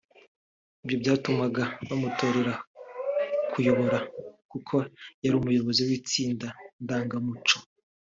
Ibyo byatumaga bamutorera kubayobora kuko yari umuyobozi w’itsinda ndangamuco